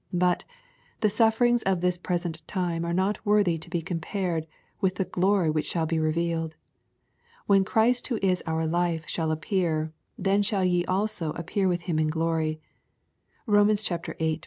But " the sufferings of this present time fLXe not worthy to be compared with the glory which shajl be revealed." " When Christ, who is our life, shall appear^ then shall ye also appear with him in glory." (Rom, viii, 18.